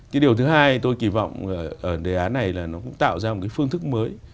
cái điều thứ hai tôi kỳ vọng ở đề án này là nó cũng tạo ra một cái phương thức mới